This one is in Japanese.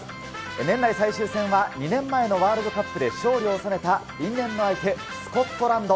年内最終戦は、２年前のワールドカップで勝利を収めた因縁の相手、スコットランド。